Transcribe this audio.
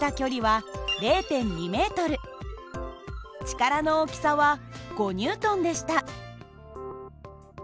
力の大きさは５Ｎでした。